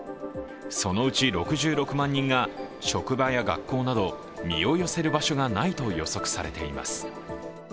そのうち６６万人が職場や学校など身を寄せる場所がないと予測されています。